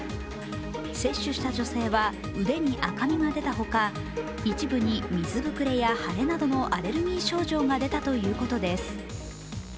摂取した女性は腕に赤みが出たほか一部に水膨れや腫れなどのアレルギー症状が出たということです。